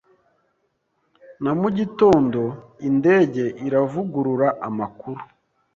na mugitondo indege iravugurura amakuru